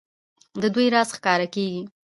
د دوی راز ښکاره کېږي.